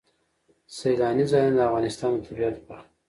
سیلانی ځایونه د افغانستان د طبیعت برخه ده.